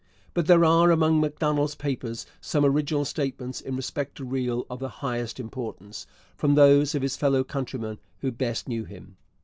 But there are among Macdonald's papers some original statements in respect to Riel of the highest importance, from those of his fellow countrymen who best knew him.